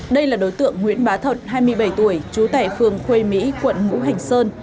đây là đối tượng nguyễn bá thật hai mươi bảy tuổi trú tại phường khuê mỹ quận ngũ hành sơn